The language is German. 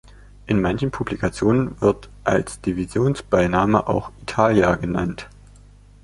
In manchen Publikationen wird als Divisions-Beiname auch "„Italia“" genannt.